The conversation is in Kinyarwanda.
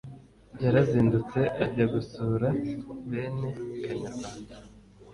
Yarazindutse ajya gusura bene kanyarwa